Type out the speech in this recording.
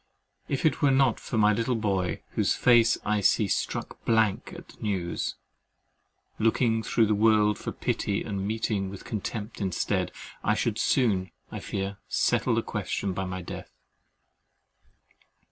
If it were not for my little boy, whose face I see struck blank at the news, looking through the world for pity and meeting with contempt instead, I should soon, I fear, settle the question by my death.